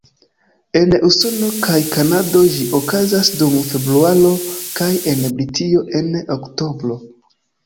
En Usono kaj Kanado ĝi okazas dum februaro, kaj en Britio en oktobro.